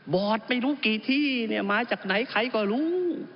บอดไม่รู้กี่ที่มาจากไหนใครก็รู้